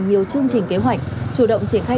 nhiều chương trình kế hoạch chủ động triển khai